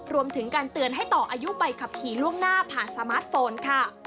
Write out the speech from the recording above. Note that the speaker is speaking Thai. รวมถึงการเตือนให้ต่ออายุใบขับขี่ล่วงหน้าผ่านสมาร์ทโฟนค่ะ